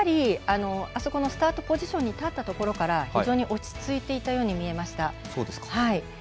スタートポジションに立ったところから非常に落ち着いて見えました。